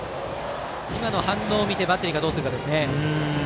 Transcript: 今の反応を見てバッテリーがどうするかですね。